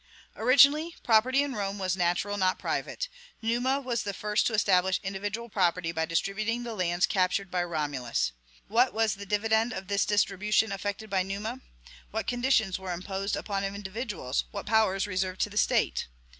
Originally, property in Rome was national, not private. Numa was the first to establish individual property by distributing the lands captured by Romulus. What was the dividend of this distribution effected by Numa? What conditions were imposed upon individuals, what powers reserved to the State?